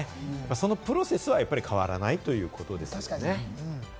そのプロセスはやっぱり変わらないということですね。